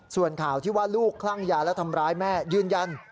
ส่วนข่าวที่ว่าลูกคลั่งยาและทำร้ายแม่ยืนยัน